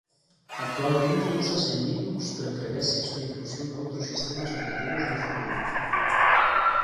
Actualmente úsase en Linux pero prevese a súa inclusión noutros sistemas operativos no futuro.